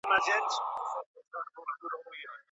ولي لېواله انسان د تکړه سړي په پرتله لوړ مقام نیسي؟